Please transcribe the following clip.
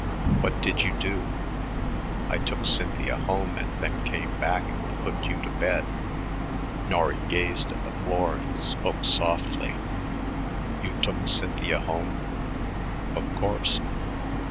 What did you do?" "I took Cynthia home and then came back and put you to bed." Norry gazed at the floor and spoke softly. "You took Cynthia home?" "Of course."